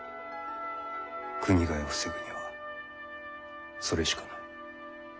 国替えを防ぐにはそれしかない。